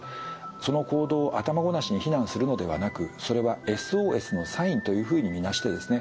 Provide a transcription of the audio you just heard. その行動を頭ごなしに非難するのではなくそれはＳＯＳのサインというふうに見なしてですね